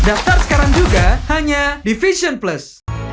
daftar sekarang juga hanya di fashion plus